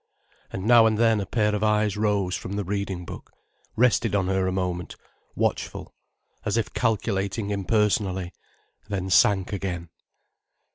And now and then a pair of eyes rose from the reading book, rested on her a moment, watchful, as if calculating impersonally, then sank again.